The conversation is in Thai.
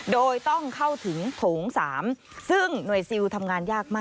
โดยต้องเข้าถึงโถง๓ซึ่งหน่วยซิลทำงานยากมาก